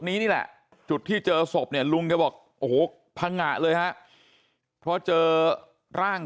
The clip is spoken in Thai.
นี่แหละจุดที่เจอศพเนี่ยลุงแกบอกโอ้โหพังงะเลยฮะเพราะเจอร่าง